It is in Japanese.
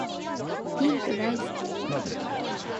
ピンク大好き